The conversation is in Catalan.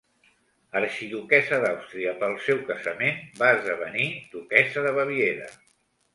Arxiduquessa d'Àustria, pel seu casament va esdevenir Duquessa de Baviera.